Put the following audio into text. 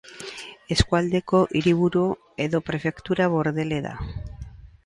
Eskualdeko hiriburu edo prefektura Bordele da.